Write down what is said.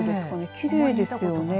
きれいですよね。